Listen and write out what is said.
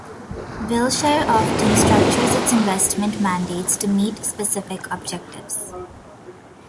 Wilshire often structures its investment mandates to meet specific objectives.